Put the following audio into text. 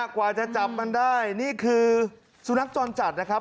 กว่าจะจับมันได้นี่คือสุนัขจรจัดนะครับ